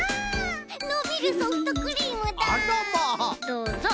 どうぞ。